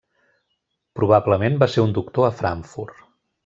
Probablement va ser un doctor a Frankfurt.